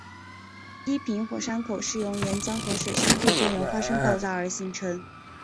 低平火山口是由岩浆和水相互作用发生爆炸而形成。